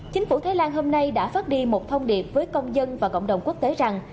chính phủ thái lan hôm nay đã phát đi một thông điệp với công dân và cộng đồng quốc tế rằng